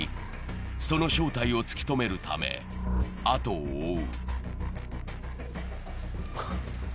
その正体を突き止めるため、あとを追う。